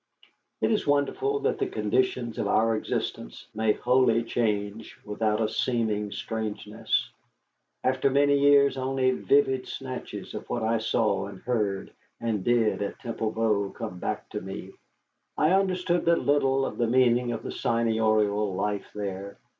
It is wonderful that the conditions of our existence may wholly change without a seeming strangeness. After many years only vivid snatches of what I saw and heard and did at Temple Bow come back to me. I understood but little the meaning of the seigniorial life there.